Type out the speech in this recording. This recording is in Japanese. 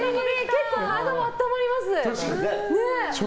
結構体も温まります。